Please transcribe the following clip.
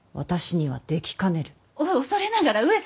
お恐れながら上様。